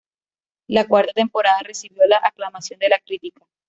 La cuarta temporada recibió la aclamación de la crítica.